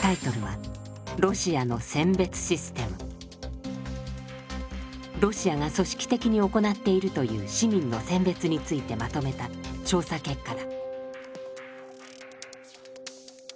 タイトルはロシアが組織的に行っているという市民の選別についてまとめた調査結果だ。